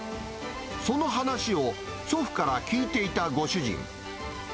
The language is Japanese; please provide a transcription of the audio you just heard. その話を、祖父から聞いていたご主人。